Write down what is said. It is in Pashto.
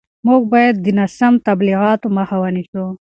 موږ باید د ناسم تبلیغاتو مخه ونیسو.